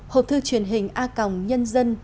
hộp thư truyền hình a còng nhân dân